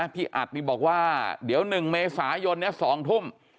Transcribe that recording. อัดนี่บอกว่าเดี๋ยว๑เมษายน๒ทุ่ม